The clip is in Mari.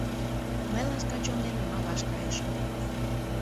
Мый ласка чон дене малаш кайышым.